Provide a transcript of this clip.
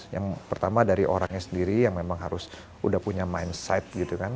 yang pertama dari orangnya sendiri yang memang harus udah punya mindset gitu kan